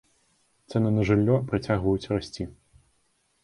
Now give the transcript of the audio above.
Цэны на жыллё працягваюць расці.